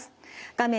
画面